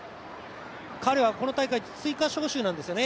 彼は、この大会、追加招集なんですよね。